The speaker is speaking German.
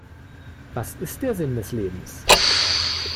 Was ist der Sinn des Lebens?